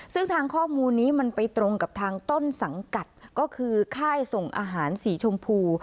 ซึ่งทางข้อมูลนี้มันไปตรงกับทางต้นสังกัดก็คือค่ายส่งอาหารสีชมพู